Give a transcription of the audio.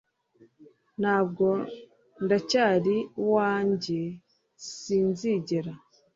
ntabwo ndacyari uwanjye, sinzigera